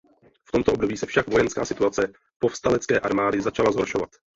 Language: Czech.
V tomto období se však vojenská situace povstalecké armády začala zhoršovat.